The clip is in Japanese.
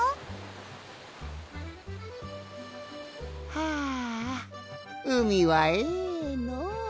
はあうみはええのう。